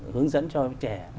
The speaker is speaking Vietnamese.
hướng dẫn cho trẻ